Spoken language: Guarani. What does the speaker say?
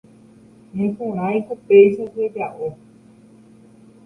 naiporãiko péicha cheja'o